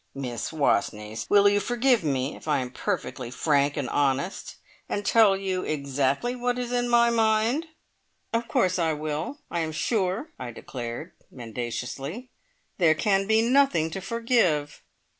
"Miss Wastneys! Will you forgive me if I am perfectly frank and honest, and tell you exactly what is in my mind?" "Of course I will. I am sure," I declared mendaciously, "there can be nothing to forgive!"